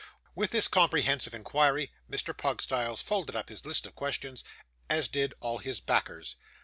With this comprehensive inquiry, Mr. Pugstyles folded up his list of questions, as did all his backers.